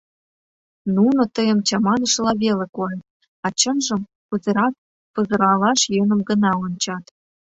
Нуно тыйым чаманышыла веле койыт, а чынжым, кузерак пызыралаш йӧным гына ончат.